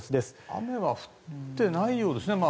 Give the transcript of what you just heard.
雨は降っていないようですね。